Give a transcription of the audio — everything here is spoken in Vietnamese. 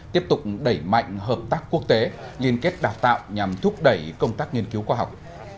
tiếp tục đẩy mạnh hợp tác quốc tế liên kết đào tạo nhằm thúc đẩy công tác nghiên cứu khoa học